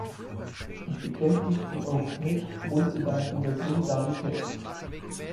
Ich bekenne mich zum europäischen Grundgedanken der Solidarität.